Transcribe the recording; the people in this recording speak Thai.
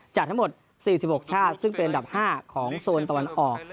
จากทั้งหมด๔๖ชาติซึ่งเป็นอันดับ๕ของโซนตะวันออก